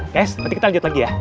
yes nanti kita lanjut lagi ya